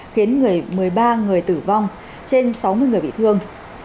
khiến người một mươi ba người tử vong trên sáu mươi người bị thương